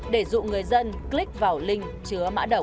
để dụ người dân click vào link chứa mã độc